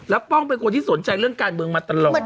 แล้วป้องเป็นคนที่สนใจเรื่องการเมืองมาตลอด